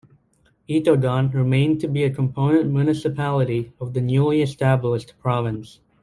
Itogon remained to be a component municipality of the newly established province.